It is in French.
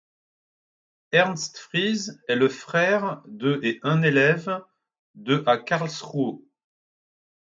Ernst Fries est le frère de et un élève de à Karlsruhe.